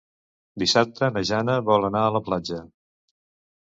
Dissabte na Jana vol anar a la platja.